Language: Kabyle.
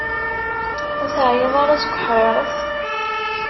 Ur teɛyiḍ ara seg uḥṛiṛet?